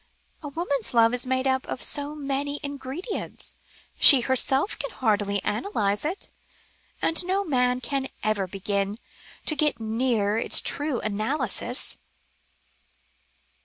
A woman's love is made up of so many ingredients, she herself can hardly analyse it, and no man could ever begin to get near its true analysis."